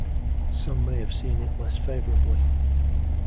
Some have seen it less favourably.